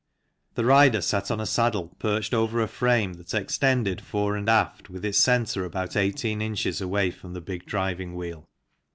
The rider sat on a saddle perched over a frame that extended fore and aft with its centre about THE TRICYCLE ERA 21 18 ins. away from the big driving wheel.